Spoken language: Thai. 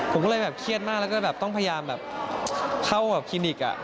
ผมก็เลยแบบเครียดมากแล้วก็แบบต้องพยายามแบบเข้ากับคลินิก